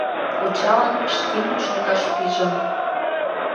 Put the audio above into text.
Кочалан штим шолташ пижым.